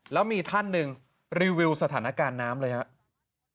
แล้วมีท่านหนึ่งรีวิวสถานการณ์น้ำเลยครับ